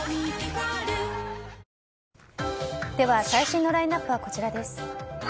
最新のラインアップはこちらです。